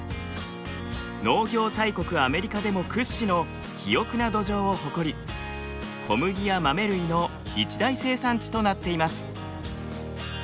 農業大国アメリカでも屈指の肥沃な土壌を誇り小麦や豆類の一大生産地となっています。